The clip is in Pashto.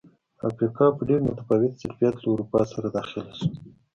افریقا په ډېر متفاوت ظرفیت له اروپا سره داخله شوه.